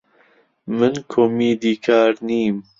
من کۆمیدیکار نیم.